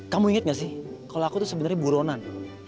kamu inget gak sih kalau aku tuh sebenernya buronan